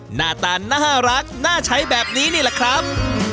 หน้าตาน่ารักน่าใช้แบบนี้นี่แหละครับ